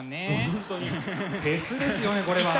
本当にフェスですよねこれは。